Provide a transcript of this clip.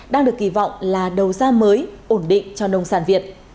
đang được kỳ vọng là đầu ra mới ổn định cho nông sản việt